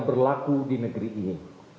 berlaku di negeri ini